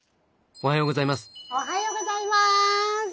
おはようございます！